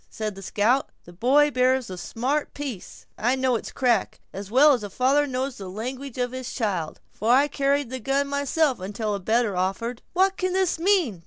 said the scout; "the boy bears a smart piece! I know its crack, as well as a father knows the language of his child, for I carried the gun myself until a better offered." "What can this mean?"